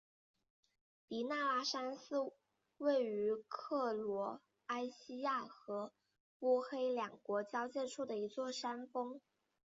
迪纳拉山是位于克罗埃西亚和波黑两国交界处的一座山峰。